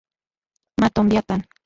Matonbiakan